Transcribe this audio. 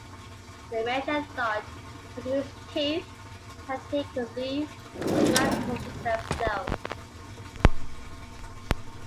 The manager thought, muttering his teeth, that he could leave the black horses themselves.